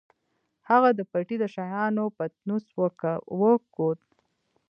هغه د پټۍ د شيانو پتنوس وکوت.